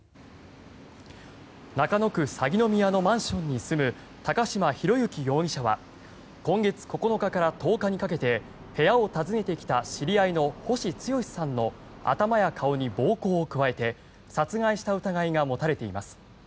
中野区鷺宮のマンションに住む高島裕之容疑者は今月９日から１０日にかけて部屋を訪ねてきた知り合いの星毅さんの頭や顔に暴行を加えて殺害した疑いが持たれています。